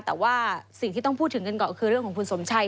แต่ว่าสิ่งที่ต้องพูดถึงกันก่อนก็คือเรื่องของคุณสมชัย